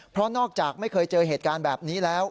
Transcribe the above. เพราะนอกจากไม่เคยเจอเหตุการณ์แบบนี้แล้ว